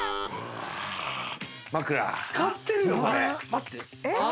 使ってるよこれ。